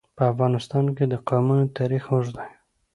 په افغانستان کې د قومونه تاریخ اوږد دی.